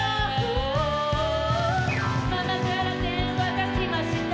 「ママから電話が来ました」